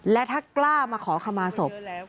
และถ้ากล้ามาขอขมาศพ